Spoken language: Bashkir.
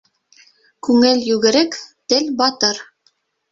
Күңел йүгерек, тел батыр.